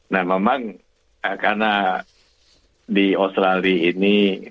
nah memang karena di australia ini